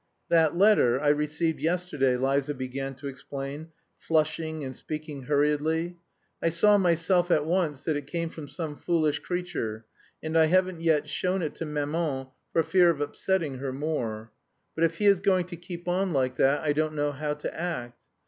"That letter I received yesterday," Liza began to explain, flushing and speaking hurriedly. "I saw myself, at once, that it came from some foolish creature, and I haven't yet shown it to maman, for fear of upsetting her more. But if he is going to keep on like that, I don't know how to act.